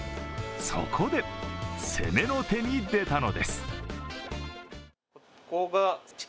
そこで、攻めの手に出たのです。